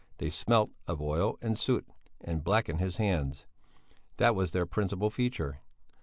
They smelt of oil and soot and blackened his hands that was their principal feature.